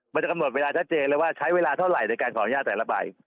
จะกำหนดเวลาชัดเจนเลยว่าใช้เวลาเท่าไหร่ในการขออนุญาตแต่ละใบ